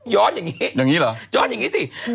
ย้อนอย่างนี้ย้อนอย่างนี้สิ